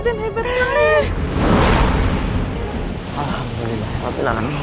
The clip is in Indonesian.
jangan cepat kalian dekat